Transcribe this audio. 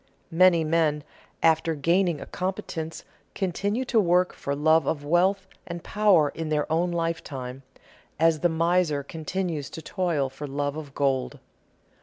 Many men after gaining a competence continue to work for love of wealth and power in their own lifetime, as the miser continues to toil for love of gold.